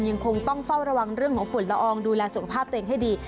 ยังคงต้องเฝ้าระวังเรื่องของฝุ่นละอองดูแลสุขภาพตัวเองให้ดี